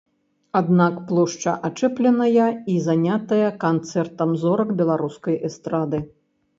Аднак плошча ачэпленая і занятая канцэртам зорак беларускай эстрады.